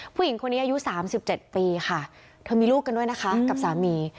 ผู้หญิงคนนี้อายุ๓๗ปีค่ะเธอมีลูกกันด้วยนะคะกับสามี